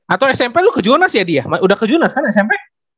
atau smp lo ke juna s ya di ya udah ke juna s kan smp